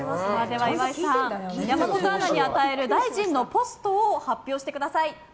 岩井さん、山本アナに与える大臣のポストを発表してください。